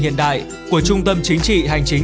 hiện đại của trung tâm chính trị hành chính